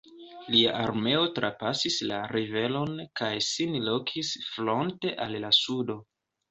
Lia armeo trapasis la riveron kaj sin lokis fronte al la sudo.